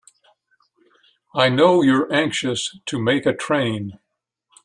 I know you're anxious to make a train.